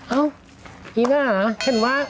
เอาอีน่าฉันว่า